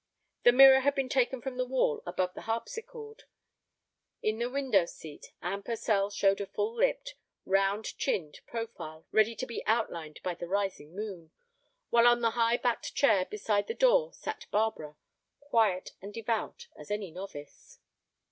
The mirror had been taken from the wall above the harpsichord. In the window seat Anne Purcell showed a full lipped, round chinned profile ready to be outlined by the rising moon, while on a high backed chair beside the door sat Barbara, quiet and devout as any novice.